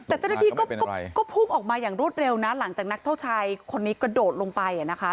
แต่เจ้าหน้าที่ก็พุ่งออกมาอย่างรวดเร็วนะหลังจากนักโทษชายคนนี้กระโดดลงไป